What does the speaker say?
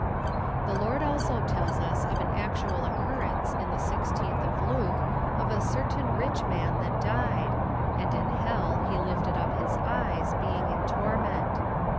The Lord also tells us of an actual occurrence, jn the 1 6th of Luke, of a " certain rich man " that died, *' and in hell he lifted up his eyes, being in torment."